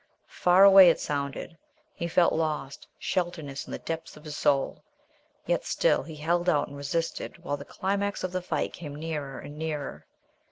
Far away it sounded. He felt lost, shelterless in the depths of his soul. Yet still he held out and resisted while the climax of the fight came nearer and nearer....